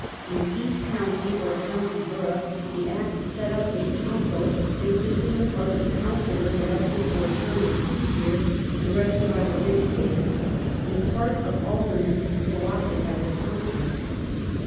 In each county or county borough the Act set up a Council consisting in part of Councilloi s elected for a term of three years directly by the ratepayers, in part of Aldennen co opted by the Councillors.